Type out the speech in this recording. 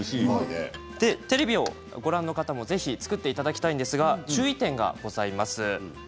テレビをご覧の方もぜひ作っていただきたいんですが注意点がございます。